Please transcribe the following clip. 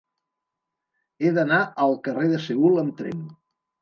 He d'anar al carrer de Seül amb tren.